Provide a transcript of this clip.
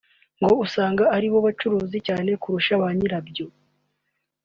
ngo usanga aribo bacuruza cyane kurusha ba nyirabyo